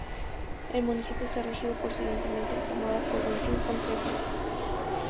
El municipio está regido por su ayuntamiento, formado por veintiún concejales.